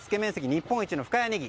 日本一の深谷ねぎ。